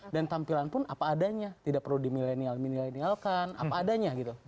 dan tampilan pun apa adanya tidak perlu dimillennial millennialkan apa adanya gitu